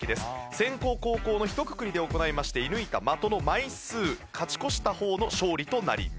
先攻後攻のひとくくりで行いまして射抜いた的の枚数勝ち越した方の勝利となります。